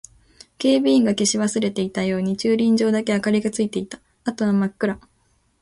警備員が消し忘れたように駐輪場だけ明かりがついていた。あとは真っ暗。